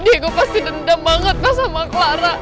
diego pasti dendam banget mas sama clara